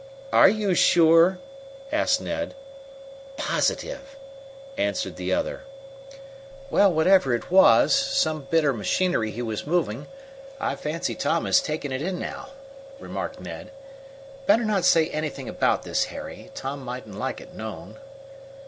"Are you sure?" asked Ned. "Positive!" asserted the other. "Well, whatever it was some bit of machinery he was moving, I fancy Tom has taken it in now," remarked Ned. "Better not say anything about this, Harry. Tom mightn't like it known."